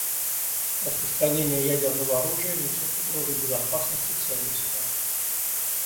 Распространение ядерного оружия несет угрозу безопасности всех государств.